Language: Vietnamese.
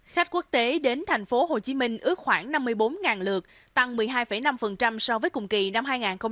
khách quốc tế đến thành phố hồ chí minh ước khoảng năm mươi bốn lượt tăng một mươi hai năm so với cùng kỳ năm hai nghìn hai mươi ba